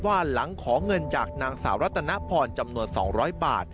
หลังขอเงินจากนางสาวรัตนพรจำนวน๒๐๐บาท